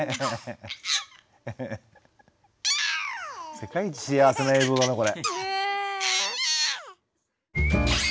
世界一幸せな映像だなこれ。